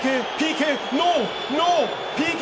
ＰＫ？